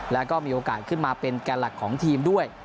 แล้วก็มีโอกาสขึ้นมาเป็นแก่หลักของทีมด้วย